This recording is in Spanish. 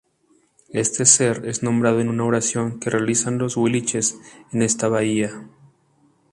Este ser es nombrado en una oración que realizan los Huilliches en esta bahía.